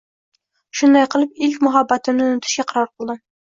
Shunday qilib, ilk muhabbatimni unutishga qaror qildim.